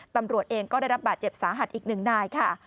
ตำรวจเองก็ได้รับบาดเจ็บสาหัสอีกหนึ่งนายค่ะ